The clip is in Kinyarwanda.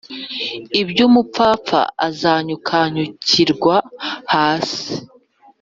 iby ubupfapfa azanyukanyukirwa hasi